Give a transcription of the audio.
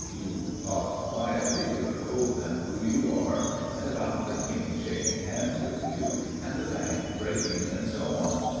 You ought quietly to have told them who you are, and about the King shaking hands with you, and the bank breaking, and so on.